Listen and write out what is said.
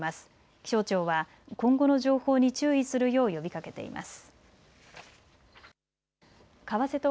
気象庁は今後の情報に注意するよう呼びかけています。